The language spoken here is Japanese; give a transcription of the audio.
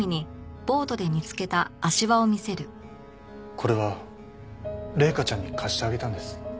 これは麗華ちゃんに貸してあげたんです。